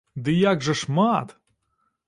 Ды як жа шмат!